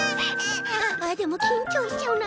あっでもきんちょうしちゃうな。